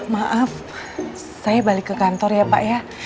maaf saya balik ke kantor ya pak ya